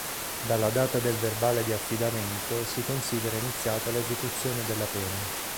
Dalla data del verbale di affidamento si considera iniziata l'esecuzione della pena.